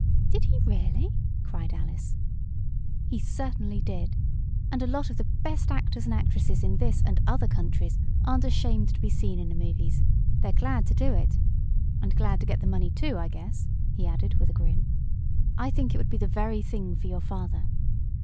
"Did he, really?" cried Alice. "He certainly did. And a lot of the best actors and actresses in this and other countries aren't ashamed to be seen in the movies. They're glad to do it, and glad to get the money, too, I guess," he added, with a grin. "I think it would be the very thing for your father.